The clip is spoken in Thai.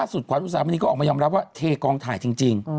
สุดขวัญอุสามณีก็ออกมาย้ำรับว่าเทกองถ่ายจริง